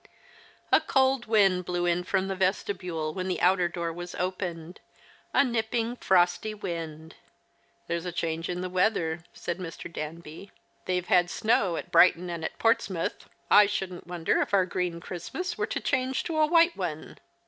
A cold wind blew in from the vestibule when the outer door was opened — a nipping, frosty wind. " There's a change in the weather," said Mr. Danby. " They've had snow at Brighton and at Portsmouth. I The Cheistmas Hikelings. 161 shouldn't wonder if our green Christmas were to change to a white one."